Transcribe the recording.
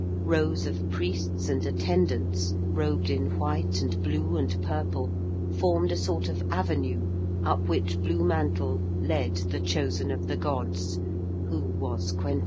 Rows of priests and attendants, robed in white and blue and purple, formed a sort of avenue up which Blue Mantle led the Chosen of the Gods, who was Quentin.